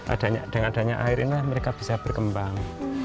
adanya dengan adanya air ini mereka bisa berkembang